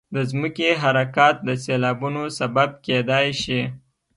د ځمکې حرکات د سیلابونو سبب کېدای شي.